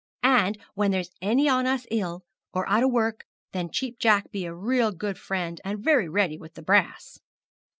And when there's any on us ill, or out o' work, then Cheap Jack be a real good friend, and very ready with the brass.'